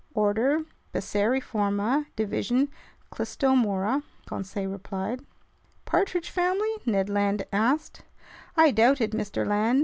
"Order Passeriforma, division Clystomora," Conseil replied. "Partridge family?" Ned Land asked. "I doubt it, Mr. Land.